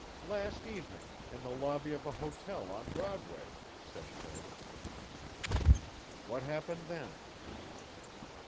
"Last evening, in the lobby of a hotel on Broadway," said Prale. "What happened then?"